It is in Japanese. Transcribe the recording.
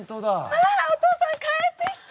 わあお父さん帰ってきた！